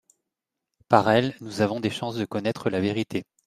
Par elle, nous avons des chances de connaître la vérité.